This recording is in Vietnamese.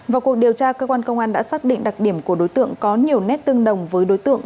vào cuộc điều tra cơ quan công an đã xác định đặc điểm của đối tượng có nhiều nét tương đồng với đối tượng